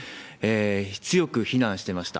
強く非難してました。